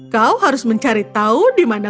waktunya lari lagi nanti